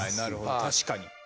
確かに。